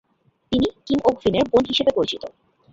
তিনি কিম ওক-ভিনের বোন হিসাবে পরিচিত।